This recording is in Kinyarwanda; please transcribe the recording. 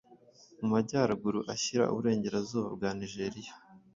mu majyaruguru ashyira uburengerazuba bwa Nigeria,